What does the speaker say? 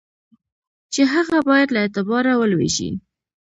چي هغه باید له اعتباره ولوېږي.